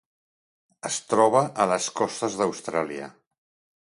Es troba a les costes d'Austràlia.